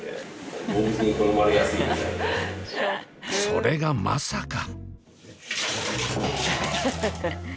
それがまさか。